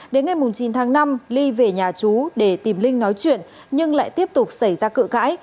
đến ngày chín tháng năm ly về nhà chú để tìm linh nói chuyện nhưng lại tiếp tục xảy ra cự cãi